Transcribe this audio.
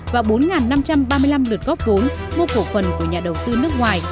và bốn năm trăm ba mươi năm lượt góp vốn mua cổ phần của nhà đầu tư nước ngoài